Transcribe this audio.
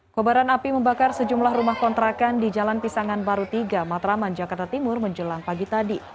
kobaran api membakar sejumlah rumah kontrakan di jalan pisangan baru tiga matraman jakarta timur menjelang pagi tadi